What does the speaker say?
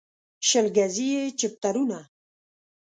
شل ګزي يې چپټرونه